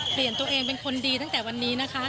เปลี่ยนตัวเองเป็นคนดีตั้งแต่วันนี้นะคะ